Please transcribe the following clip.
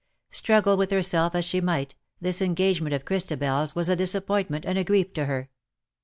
Struggle with herself as she might, this engagement of Christabel's was a disappointment and a grief to her.